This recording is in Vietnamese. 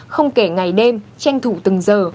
không kể ngày đêm tranh thủ từng giờ